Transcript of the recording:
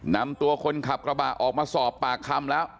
นำตัวคนขับกระบะออกมาสอบปากคำแล้ว